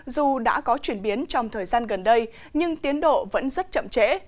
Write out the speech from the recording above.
dù đã có chuyển biến trong thời gian gần đây nhưng tiến độ vẫn rất chậm trễ